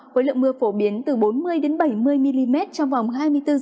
với lượng mưa phổ biến từ bốn mươi bảy mươi mm trong vòng hai mươi bốn h